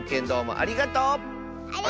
ありがとう！